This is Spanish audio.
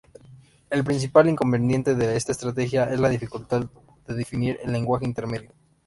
El principal inconveniente de esta estrategia es la dificultad de definir el lenguaje intermedio.